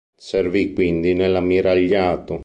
Servì, quindi, nell'Ammiragliato.